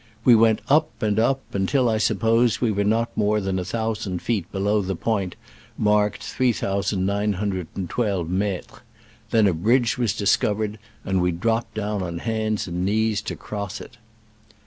We went up and up, until, I suppose, we were not more than a thou sand feet below the point marked 3912 metres: then a bridge was discovered, and we dropped down on hands and knees to cross it.